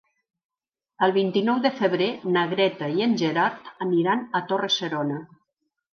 El vint-i-nou de febrer na Greta i en Gerard aniran a Torre-serona.